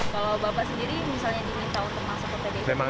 kalau bapak sendiri misalnya diminta untuk masuk